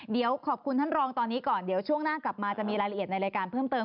เดี๋ยวขอบคุณท่านรองตอนนี้ก่อนเดี๋ยวช่วงหน้ากลับมาจะมีรายละเอียดในรายการเพิ่มเติม